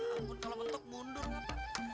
ampun kalo mentok mundur ngapain